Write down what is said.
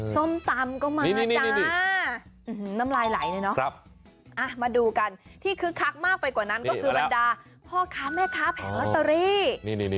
ส้มตำก็มาจ้าน้ำลายไหลเลยเนาะมาดูกันที่คึกคักมากไปกว่านั้นก็คือบรรดาพ่อค้าแม่ค้าแผงลอตเตอรี่